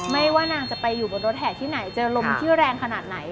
ไม่ว่านางจะไปอยู่บนรถแห่ที่ไหนเจอลมที่แรงขนาดไหน